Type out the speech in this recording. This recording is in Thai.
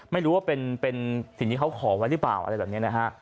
ไม่รู้ว่าเป็นสิ่งที่เขาขอว่างั้นหรือเปล่า